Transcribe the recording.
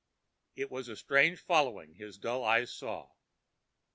It was a strange following his dull eyes saw.